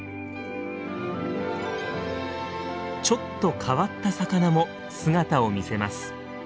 ちょっと変わった魚も姿を見せます。